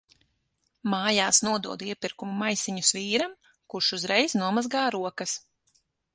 Mājās nododu iepirkumu maisiņus vīram, kurš uzreiz nomazgā rokas.